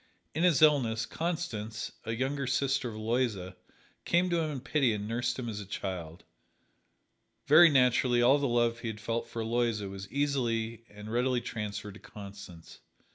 In his illness, Constance, a younger sister of Aloysia, came to him in pity and nursed him as a child. Very naturally, all the love he had felt for Aloysia was easily and readily transferred to Constance.